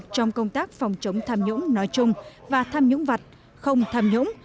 trong công tác phòng chống tham nhũng nói chung và tham nhũng vặt không tham nhũng